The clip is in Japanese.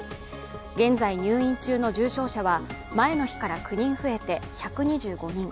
現在入院中の重症者は前の日から９人増えて１２５人。